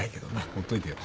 ほっといてよ。